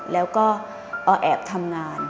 แล้วก็แอบทำงาน